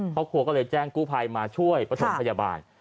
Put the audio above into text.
ครอบครัวก็เลยแจ้งกู้ภัยมาช่วยประถมพยาบาล